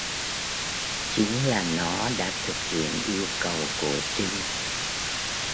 chính là Nó đã thực hiện yêu cầu của Trinh